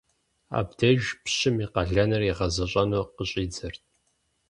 Абдеж пщым и къалэныр игъэзэщӀэну къыщӀидзэрт.